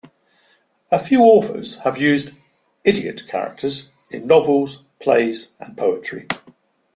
A few authors have used "idiot" characters in novels, plays and poetry.